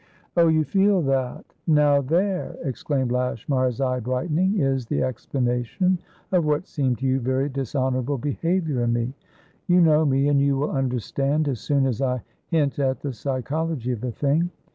"Oh, you feel that? Now there," exclaimed Lashmar, his eye brightening, "is the explanation of what seemed to you very dishonourable behaviour in me. You know me, and you will understand as soon as I hint at the psychology of the thing.